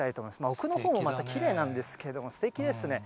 奥のほうもまたきれいなんですけれども、すてきですね。